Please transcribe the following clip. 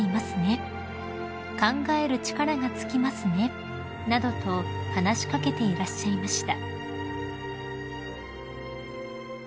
「考える力が付きますね」などと話し掛けていらっしゃいました］